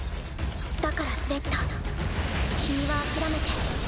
だからスレッタ君は諦めて。